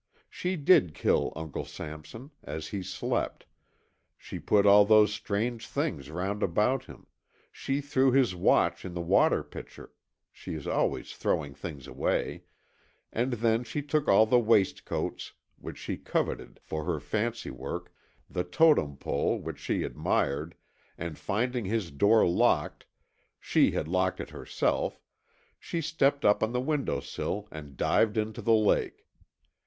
She did kill Uncle Sampson, as he slept, she put all those strange things round about him, she threw his watch in the water pitcher—she is always throwing things away—and then she took the waistcoats, which she coveted, for her fancy work, the Totem Pole, which she admired, and finding his door locked—she had locked it herself—she stepped up on the window sill and dived into the lake.